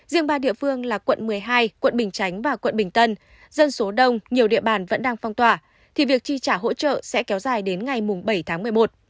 riêng ba địa phương là quận một mươi hai quận bình chánh và quận bình tân dân số đông nhiều địa bàn vẫn đang phong tỏa thì việc chi trả hỗ trợ sẽ kéo dài đến ngày bảy tháng một mươi một